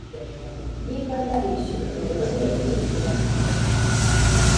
niba narishe umuntu umwe, nishe babiri -